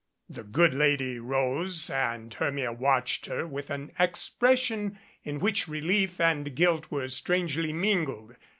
The good lady rose and Hermia watched her with an expression in which relief and guilt were strangely min gled.